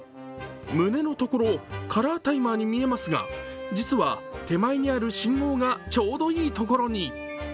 胸のところ、カラータイマーに見えますが、実は手前にある信号がちょうどいいところに。